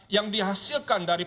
yang dihasilkan oleh pak presiden